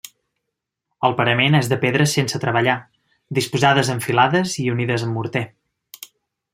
El parament és de pedres sense treballar, disposades en filades i unides amb morter.